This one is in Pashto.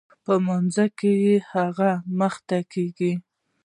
په لمانځه کښې هغه مخته کېږي.